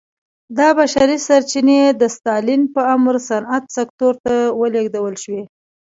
دا بشري سرچینې د ستالین په امر صنعت سکتور ته ولېږدول شوې